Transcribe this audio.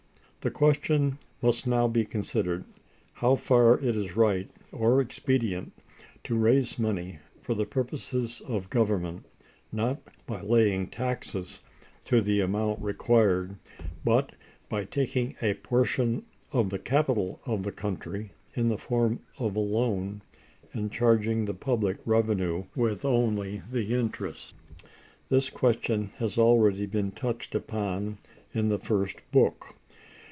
The question must now be considered, how far it is right or expedient to raise money for the purposes of government, not by laying on taxes to the amount required, but by taking a portion of the capital of the country in the form of a loan, and charging the public revenue with only the interest. This question has already been touched upon in the First Book.